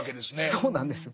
そうなんですよ。